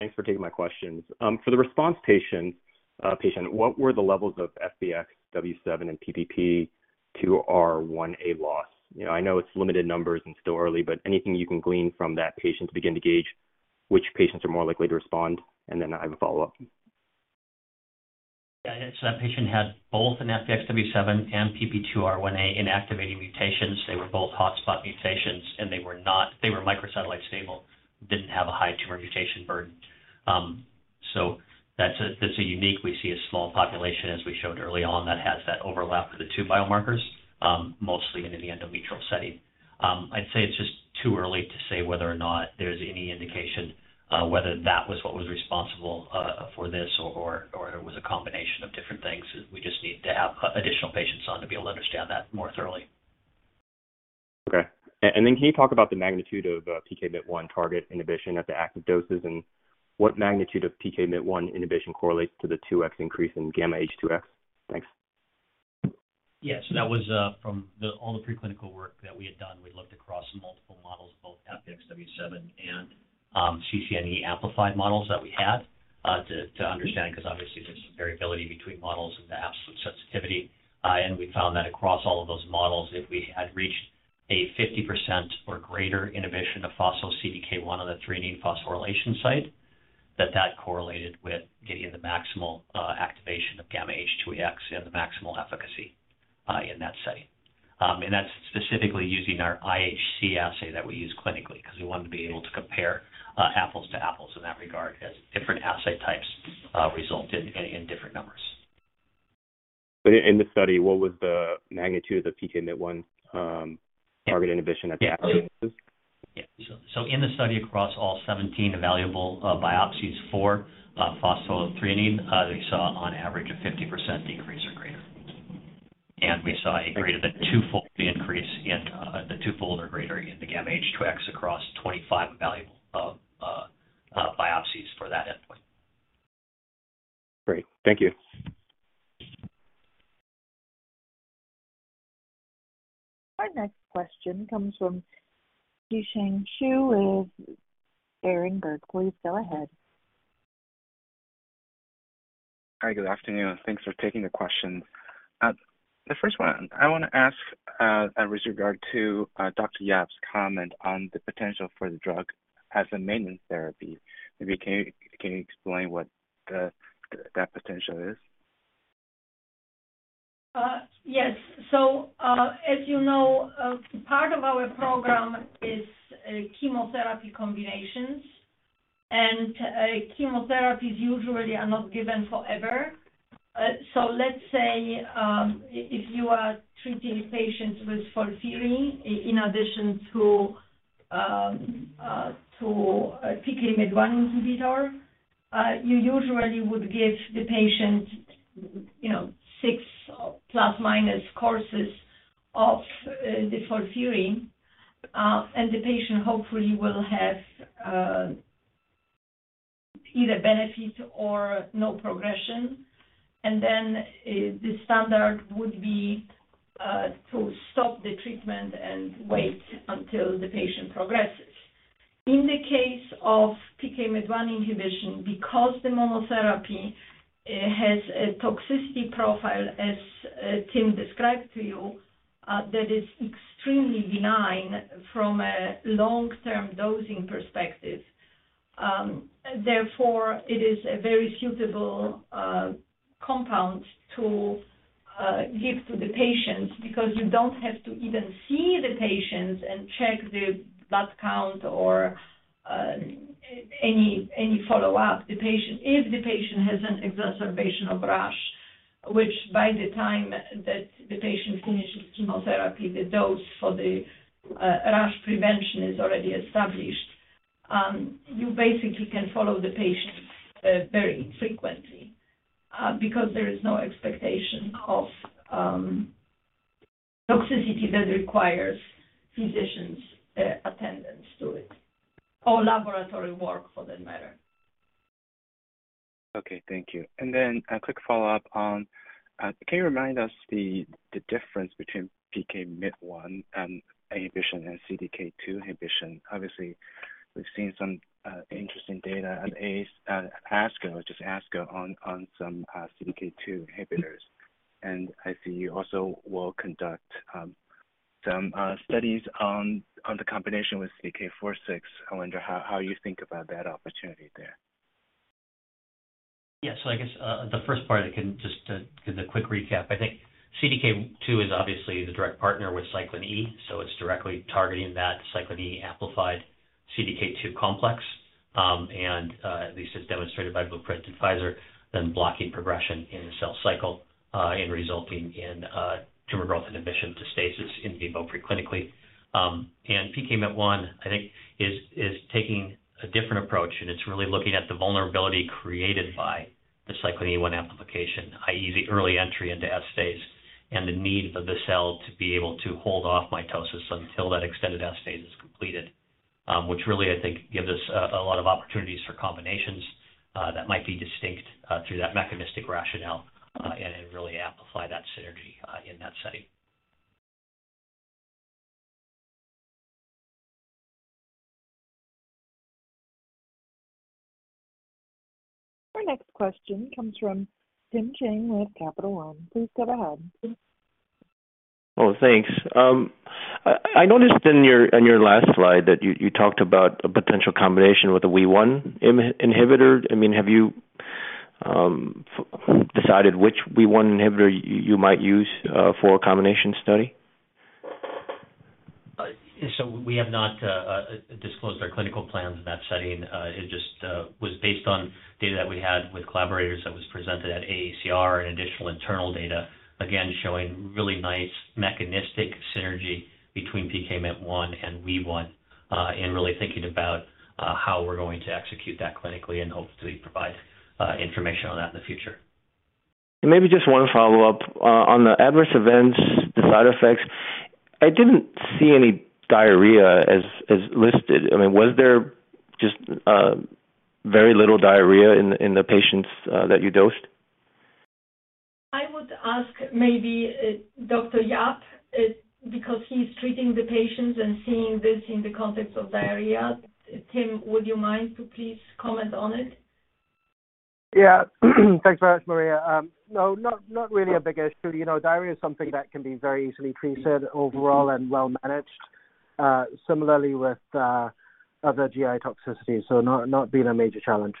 Thanks for taking my questions. For the response patient, what were the levels of FBXW7 and PPP2R1A loss? You know, I know it's limited numbers and still early, but anything you can glean from that patient to begin to gauge which patients are more likely to respond? I have a follow-up. Yeah, that patient had both an FBXW7 and PPP2R1A inactivating mutations. They were both hotspot mutations. They were microsatellite stable, didn't have a high tumor mutation burden. That's a unique, we see a small population, as we showed early on, that has that overlap of the two biomarkers, mostly in the endometrial setting. I'd say it's just too early to say whether or not there's any indication, whether that was what was responsible for this or it was a combination of different things. We just need to have additional patients on to be able to understand that more thoroughly. Okay. Then can you talk about the magnitude of PKMYT1 target inhibition at the active doses, and what magnitude of PKMYT1 inhibition correlates to the 2x increase in γH2AX? Thanks. That was all the preclinical work that we had done. We looked across multiple models, both FBXW7 and CCNE1 amplified models that we had to understand, because obviously there's some variability between models and the absolute sensitivity. We found that across all of those models, if we had reached a 50% or greater inhibition of phospho-CDK1 on the threonine phosphorylation site, that correlated with getting the maximal activation of γH2AX and the maximal efficacy in that study. That's specifically using our IHC assay that we use clinically, because we wanted to be able to compare apples to apples in that regard, as different assay types resulted in different numbers. In the study, what was the magnitude of the PKMYT1 target inhibition at the? In the study, across all 17 evaluable biopsies for phospho-threonine, we saw on average a 50% decrease or greater. We saw a greater than 2-fold increase in the 2-fold or greater in the γH2AX across 25 evaluable biopsies for that endpoint. Great. Thank you. Our next question comes from Yusheng Xu with Berenberg. Please go ahead. Hi, good afternoon, and thanks for taking the question. The first one, I want to ask with regard to Dr. Yap's comment on the potential for the drug as a maintenance therapy. Maybe can you explain what that potential is? Yes. As you know, part of our program is chemotherapy combinations, and chemotherapies usually are not given forever. Let's say, if you are treating patients with FOLFIRI, in addition to PKMYT1 inhibitor, you usually would give the patient, you know, six plus, minus courses of the FOLFIRI, and the patient hopefully will have either benefit or no progression. Then, the standard would be to stop the treatment and wait until the patient progresses. In the case of PKMYT1 inhibition, because the monotherapy has a toxicity profile, as Tim described to you, that is extremely benign from a long-term dosing perspective, therefore, it is a very suitable compound to give to the patients because you don't have to even see the patients and check the blood count or any follow-up. The patient, if the patient has an exacerbation of rash, which by the time that the patient finishes chemotherapy, the dose for the rash prevention is already established, you basically can follow the patient very infrequently, because there is no expectation of toxicity that requires physician's attendance to it or laboratory work for that matter. Okay, thank you. Then a quick follow-up on, can you remind us the difference between PKMYT1 and inhibition and CDK2 inhibition? Obviously, we've seen some interesting data at ASCO, just ASCO, on some CDK2 inhibitors. I see you also will conduct some studies on the combination with CDK4/6. I wonder how you think about that opportunity there. Yeah. I guess, the first part, I can just give a quick recap. I think CDK2 is obviously the direct partner with cyclin E, it's directly targeting that cyclin E amplified CDK2 complex, at least as demonstrated by Blueprint and Pfizer, blocking progression in the cell cycle, and resulting in tumor growth in addition to stasis in vivo preclinically. PKMYT1, I think, is taking a different approach, it's really looking at the vulnerability created by the cyclin E1 amplification, i.e., the early entry into S phase and the need of the cell to be able to hold off mitosis until that extended S phase is completed. Which really, I think, gives us a lot of opportunities for combinations that might be distinct through that mechanistic rationale and really amplify that synergy in that setting. Our next question comes from Tim Chang with Capital One. Please go ahead. Oh, thanks. I noticed in your, in your last slide that you talked about a potential combination with a WEE1 inhibitor. I mean, have you decided which WEE1 inhibitor you might use, for a combination study? We have not disclosed our clinical plans in that setting. It just was based on data that we had with collaborators that was presented at AACR and additional internal data, again, showing really nice mechanistic synergy between PKMYT1 and WEE1, and really thinking about how we're going to execute that clinically and hopefully provide information on that in the future. Maybe just one follow-up. On the adverse events, the side effects, I didn't see any diarrhea as listed. I mean, was there just very little diarrhea in the patients that you dosed? I would ask maybe Dr. Yap, because he's treating the patients and seeing this in the context of diarrhea. Tim, would you mind to please comment on it? Yeah. Thanks very much, Maria. No, not really a big issue. You know, diarrhea is something that can be very easily treated overall and well managed, similarly with other GI toxicity, so not been a major challenge.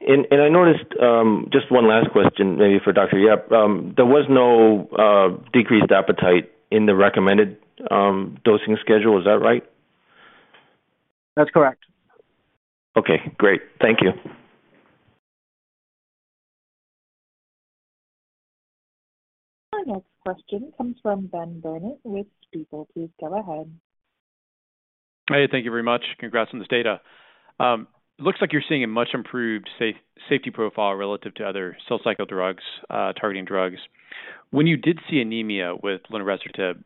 I noticed, just one last question, maybe for Dr. Yap. There was no decreased appetite in the recommended dosing schedule. Is that right? That's correct. Okay, great. Thank you. Our next question comes from Ben Burnett with Stifel. Please go ahead. Hey, thank you very much. Congrats on this data. It looks like you're seeing a much improved safety profile relative to other cell cycle drugs, targeting drugs. When you did see anemia with lunresertib,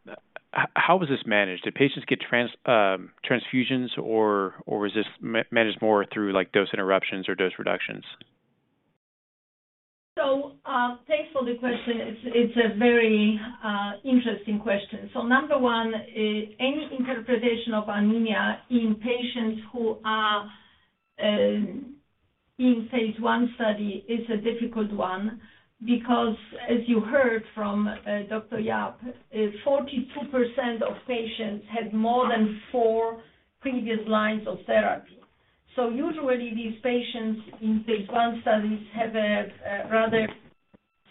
how was this managed? Did patients get transfusions or was this managed more through, like, dose interruptions or dose reductions? Thanks for the question. It's a very interesting question. Number one, any interpretation of anemia in patients who are in phase I study is a difficult one because, as you heard from Dr. Yap, 42% of patients had more than four previous lines of therapy. Usually these patients in phase I studies have a rather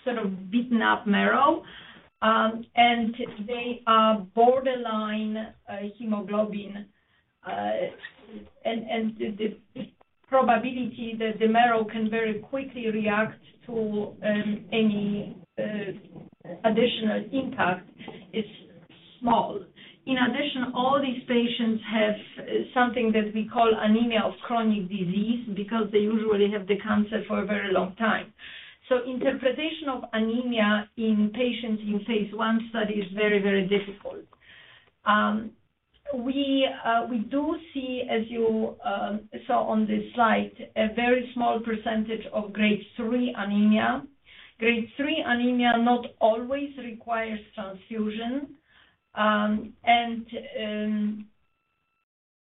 sort of beaten-up marrow, and they are borderline hemoglobin. And the probability that the marrow can very quickly react to any additional impact is small. In addition, all these patients have something that we call anemia of chronic disease because they usually have the cancer for a very long time. Interpretation of anemia in patients in phase I study is very, very difficult. We do see, as you saw on this slide, a very small percentage of grade III anemia. Grade III anemia not always requires transfusion, and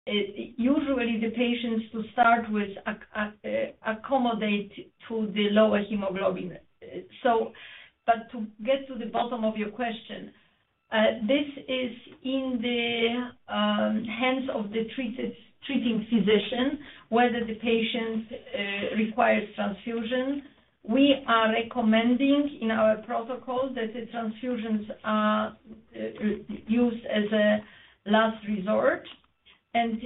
usually the patients to start with accommodate to the lower hemoglobin. But to get to the bottom of your question, this is in the hands of the treating physician, whether the patient requires transfusion. We are recommending in our protocol that the transfusions are used as a last resort, and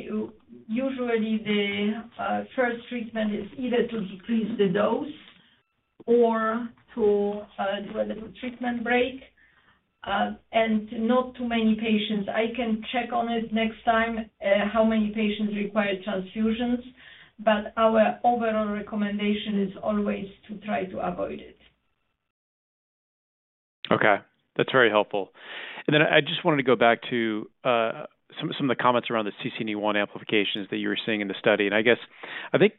usually the first treatment is either to decrease the dose or to do a little treatment break. Not too many patients. I can check on it next time, how many patients require transfusions, but our overall recommendation is always to try to avoid it. Okay. That's very helpful. Then I just wanted to go back to some of the comments around the CCNE1 amplifications that you were seeing in the study. I guess, I think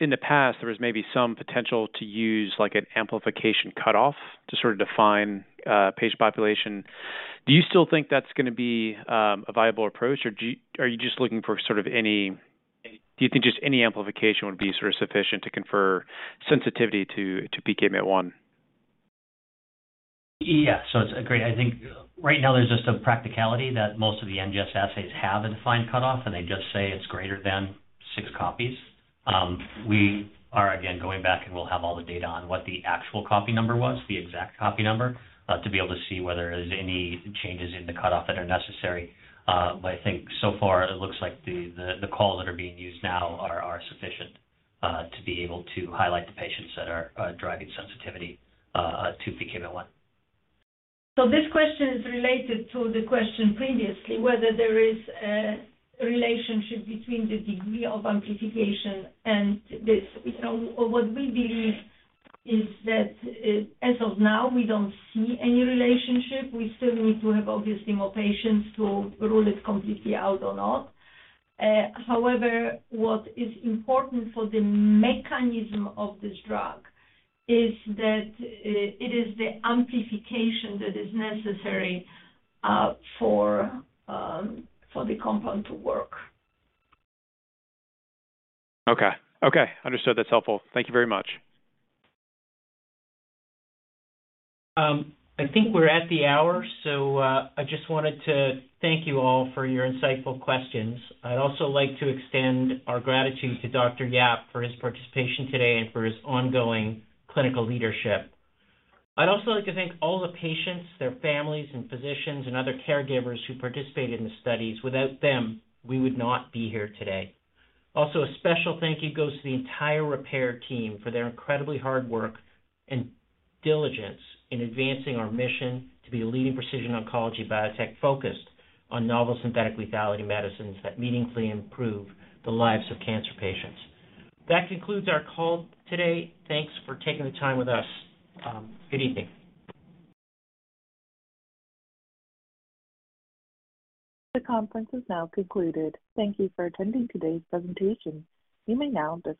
in the past there was maybe some potential to use, like, an amplification cutoff to sort of define patient population. Do you still think that's gonna be a viable approach, or are you just looking for sort of any... Do you think just any amplification would be sort of sufficient to confer sensitivity to PKMYT1? Yeah. It's a great... I think right now there's just a practicality that most of the NGS assays have a defined cutoff, and they just say it's greater than six copies. We are again going back, and we'll have all the data on what the actual copy number was, the exact copy number, to be able to see whether there's any changes in the cutoff that are necessary. I think so far it looks like the, the calls that are being used now are sufficient, to be able to highlight the patients that are, driving sensitivity, to PKMYT1. This question is related to the question previously, whether there is a relationship between the degree of amplification and this. You know, what we believe is that, as of now, we don't see any relationship. We still need to have, obviously, more patients to rule it completely out or not. However, what is important for the mechanism of this drug is that, it is the amplification that is necessary, for the compound to work. Okay. Okay, understood. That's helpful. Thank you very much. I think we're at the hour, so I just wanted to thank you all for your insightful questions. I'd also like to extend our gratitude to Dr. Yap for his participation today and for his ongoing clinical leadership. I'd also like to thank all the patients, their families and physicians and other caregivers who participated in the studies. Without them, we would not be here today. A special thank you goes to the entire Repare team for their incredibly hard work and diligence in advancing our mission to be a leading precision oncology biotech focused on novel synthetic lethality medicines that meaningfully improve the lives of cancer patients. That concludes our call today. Thanks for taking the time with us. Good evening. The conference is now concluded. Thank you for attending today's presentation. You may now disconnect.